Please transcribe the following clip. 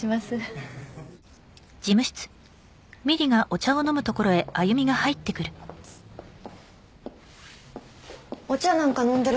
熱っお茶なんか飲んでる